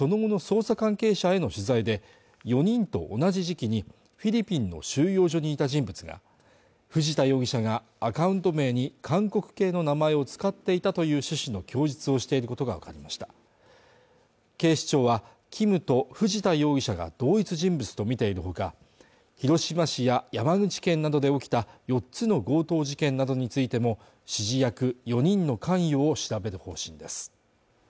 ほかにもＫｉｍＹｏｕｎｇ−ｊｕｎと謎の人物が実行役にリアルタイムで襲撃方法を指示していたということですがその後の捜査関係者への取材で４人と同じ時期にフィリピンの収容所にいた人物が藤田容疑者がアカウント名に韓国系の名前を使っていたという趣旨の供述をしていることが分かりました警視庁はＫｉｍと藤田容疑者が同一人物とみているほか広島市や山口県などで起きた４つの強盗事件などについても指示役４人の関与を調べる方針です